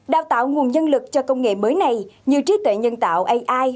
đào tạo nguồn nhân lực cho công nghệ mới này như trí tuệ nhân tạo ai